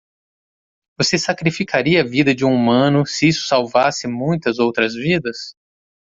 Você sacrificaria a vida de um humano se isso salvasse muitas outras vidas?